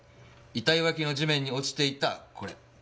遺体脇の地面に落ちていたこれ。